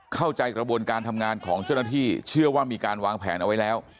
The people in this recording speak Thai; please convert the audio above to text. เข้าใจกระบวนการทำงานของเจ้าหน้าที่เชื่อว่ามีการวางแผนเอาไว้แล้ว